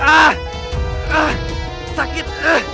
ah ah sakit